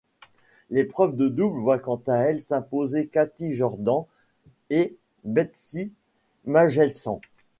L'épreuve de double voit quant à elle s'imposer Kathy Jordan et Betsy Nagelsen.